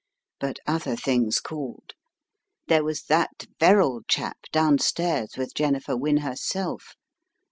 But other things called. There was that Verrall chap downstairs with Jennifer Wynne herself.